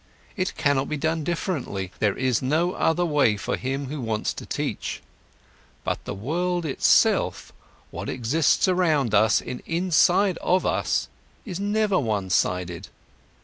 It cannot be done differently, there is no other way for him who wants to teach. But the world itself, what exists around us and inside of us, is never one sided.